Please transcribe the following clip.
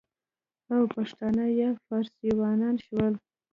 او پښتانه یا فارسیوانان شول،